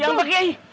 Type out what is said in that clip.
siang pak kyai